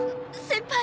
先輩